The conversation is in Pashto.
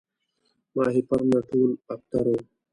ماهیپر نه ټول ابتر وو